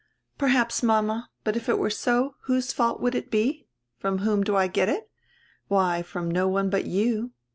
"Perhaps, mama. But if it were so, whose fault would it be? From whom do I get it? Why, from no one but you.